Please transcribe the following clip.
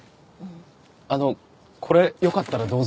あのこれよかったらどうぞ。